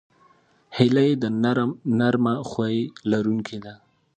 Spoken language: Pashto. هیلۍ د نرمه خوی لرونکې ده